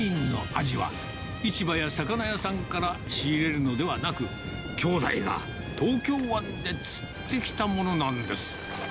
月曜日のお昼はね、そう、メインのアジは市場や魚屋さんから仕入れるのではなく、兄妹が東京湾で釣ってきたものなんです。